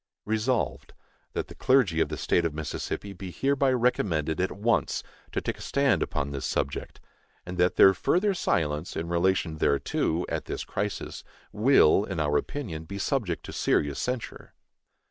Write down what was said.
Resolved, That the clergy of the State of Mississippi be hereby recommended at once to take a stand upon this subject; and that their further silence in relation thereto, at this crisis, will, in our opinion, be subject to serious censure.